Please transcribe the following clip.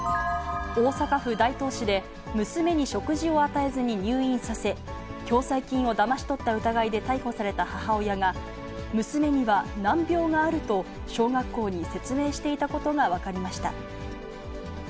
大阪府大東市で、娘に食事を与えずに入院させ、共済金をだまし取った疑いで逮捕された母親が、娘には難病があると小学校に説明していたことが分かりました。